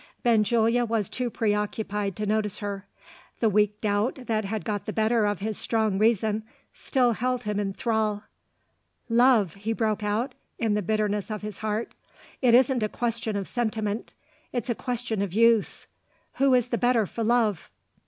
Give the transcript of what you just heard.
Benjulia was too preoccupied to notice her. The weak doubt that had got the better of his strong reason, still held him in thrall. "Love!" he broke out, in the bitterness of his heart. "It isn't a question of sentiment: it's a question of use. Who is the better for love?"